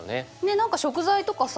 何か食材とかさ